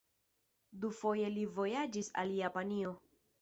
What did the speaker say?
Dufoje li vojaĝis al Japanio.